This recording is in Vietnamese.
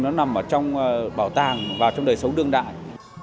nó nằm ở trong bảo tàng và trong đời sống đương đại